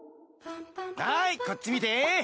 はいこっち見て。